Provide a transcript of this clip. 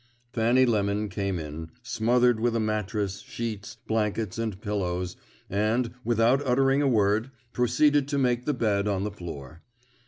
Fanny Lemon came in, smothered with a mattress, sheets, blankets, and pillows, and, without uttering a word, proceeded to make the bed on the floor.